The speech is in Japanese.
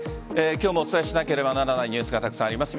今日もお伝えしなければならないニュースがたくさんあります。